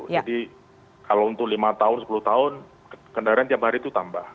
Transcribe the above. jadi kalau untuk lima tahun sepuluh tahun kendaraan tiap hari itu tambah